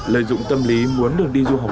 lợi dụng tâm lý muốn được đi du học